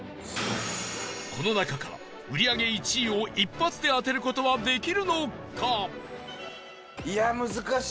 この中から売り上げ１位を一発で当てる事はできるのか？